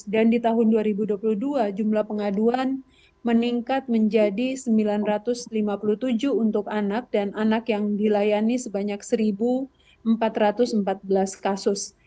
dan di tahun dua ribu dua puluh dua jumlah pengaduan meningkat menjadi sembilan ratus lima puluh tujuh untuk anak dan anak yang dilayani sebanyak seribu empat ratus empat belas kasus